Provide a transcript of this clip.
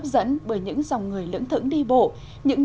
xin chào anh hiếu